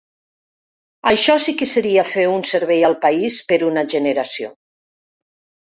Això sí que seria fer un servei al país per una generació.